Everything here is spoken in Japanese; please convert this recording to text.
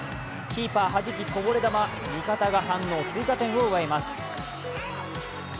キーパーはじき、こぼれ球味方が反応、追加点を奪います。